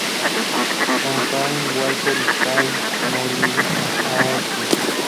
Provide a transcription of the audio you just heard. Con Kathryn Walker y Cathy Moriarty.